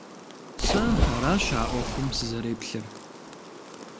Сэ аращ а Ӏуэхум сызэреплъыр.